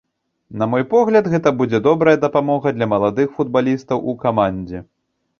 На мой погляд, гэта будзе добрая дапамога для маладых футбалістаў у камандзе.